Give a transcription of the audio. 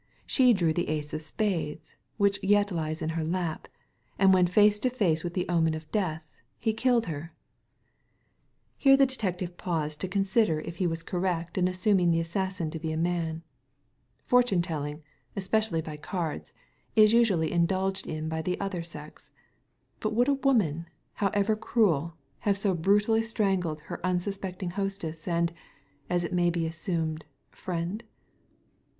She drew the ace of spades, which yet lies In her lap, and when face to face with the omen of death he killed her." Here the detective paused to consider if he was Digitized by Google THE DEATH CARD 17 correct in assuming the assassin to be a man. Fortune telling — especially by cards — is usually in dulged in by the other sex. But would a woman, however cruel, have so brutally strangled her unsus pecting hostess, and — ^as it may be assumed — friend